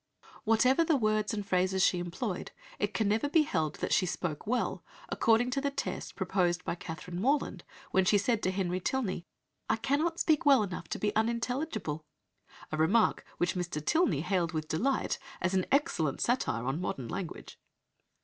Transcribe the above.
Whatever the words and phrases she employed, it can never be held that she "spoke well" according to the test proposed by Catherine Morland when she said to Henry Tilney, "I cannot speak well enough to be unintelligible," a remark which Mr. Tilney hailed with delight as "an excellent satire on modern language."